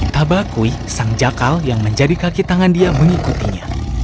tabakui sang jakal yang menjadi kaki tangan dia mengikutinya